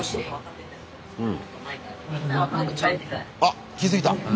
あっ気付いた！